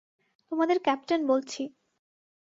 তোমাদের ক্যাপ্টেন বলছি।